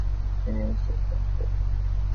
তিনি entrance pass করেন।